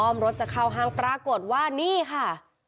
รถจะเข้าห้างปรากฏว่านี่ค่ะ